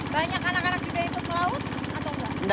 banyak anak anak juga yang terus melaut atau nggak